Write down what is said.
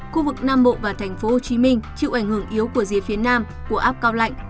khu vực nam bộ và thành phố hồ chí minh chịu ảnh hưởng yếu của dưới phía nam của áp cao lạnh